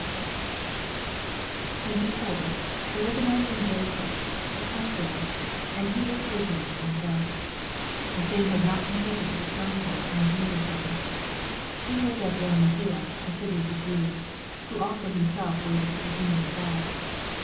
60 And, behold, there was a man onnied Joseph, a counsellor ; and he lpa 9 a ^ood man and a just : 51 (The same had not consented to the counsel and deed of them ;) he wan of Arimathaea, a cltv of the Jews : who also himself waited for the king dom of God.